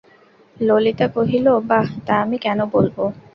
ললিতা কহিল, বাঃ, তা আমি কেন বলব?